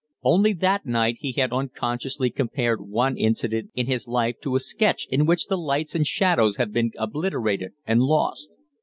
Only that night he had unconsciously compared one incident in his life to a sketch in which the lights and shadows have been obliterated and lost.